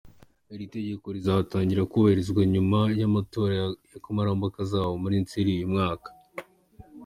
Iri tegeko rizatangira kubahirizwa nyuma y’amatora ya kamarampaka azaba muri Nzeri uyu mwaka.